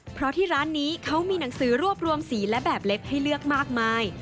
เพราะที่ร้านนี้เขามีหนังสือรวบรวมสีและแบบเล็บให้เลือกมากมาย